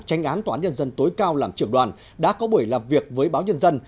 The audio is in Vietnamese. tranh án toán nhân dân tối cao làm trưởng đoàn đã có buổi làm việc với báo nhân dân